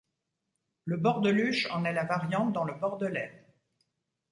Le bordeluche en est la variante dans le bordelais.